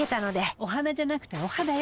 お花じゃなくてお肌よ。